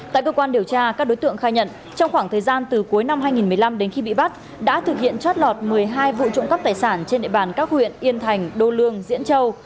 tại cơ quan điều tra các đối tượng khai nhận trong khoảng thời gian từ cuối năm hai nghìn một mươi năm đến khi bị bắt đã thực hiện trót lọt một mươi hai vụ trộm cắp tài sản trên địa bàn các huyện yên thành đô lương diễn châu